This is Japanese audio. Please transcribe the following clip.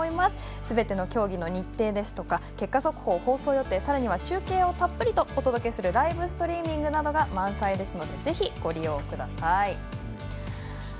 すべての競技の日程ですとか結果速報、放送予定さらには中継をたっぷりとお届けするライブストリーミングが満載ですのでぜひご利用ください。